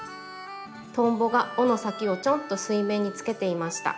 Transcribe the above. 「トンボが尾の先をチョンっと水面につけていました。